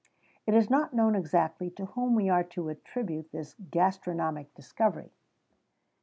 It is not known exactly to whom we are to attribute this gastronomic discovery.